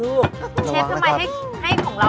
หรือเชฟทำไมให้ของเราแข็งตรงเลย